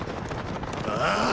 ああ！